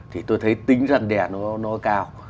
thì tôi thấy tính răn đè nó cao